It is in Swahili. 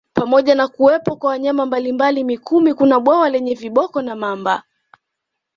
Pamoja na kuwepo kwa wanyama mbalimbali Mikumi kuna bwawa lenye viboko na mamba